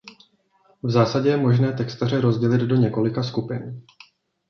V zásadě je možné textaře rozdělit do několika skupin.